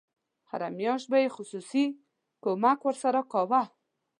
هره میاشت به یې مخصوص کمک ورسره کاوه.